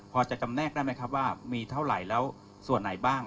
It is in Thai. พอจะจำแนกได้ไหมครับว่ามีเท่าไหร่แล้วส่วนไหนบ้าง